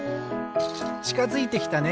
ちかづいてきたね。